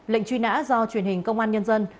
lệnh truy nã do truyền hình công an nhân dân